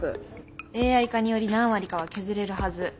ＡＩ化により何割かは削れるはず。